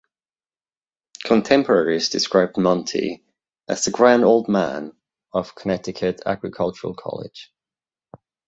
Contemporaries described "Monty" as the "grand old man" of Connecticut Agricultural College.